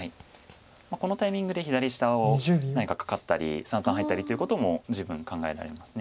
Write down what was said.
このタイミングで左下を何かカカったり三々入ったりということも十分考えられます。